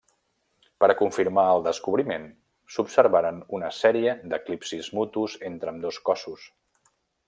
Per a confirmar el descobriment s'observaren una sèrie d'eclipsis mutus entre ambdós cossos.